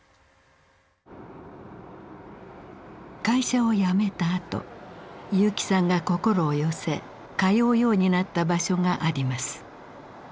会社を辞めたあと結城さんが心を寄せ通うようになった場所があります。